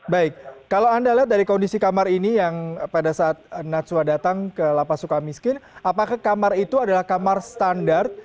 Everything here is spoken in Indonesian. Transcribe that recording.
baik kalau anda lihat dari kondisi kamar ini yang pada saat natsua datang ke lapas suka miskin apakah kamar itu adalah kamar standar